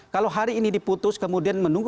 kalau hari ini diputus kemudian menunggu